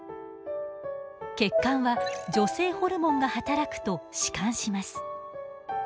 血管は女性ホルモンが働くと弛緩します。